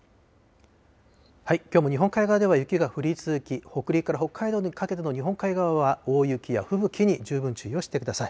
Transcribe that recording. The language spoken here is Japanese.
きょうも日本海側では雪が降り続き、北陸から北海道にかけての日本海側は、大雪や吹雪に十分注意をしてください。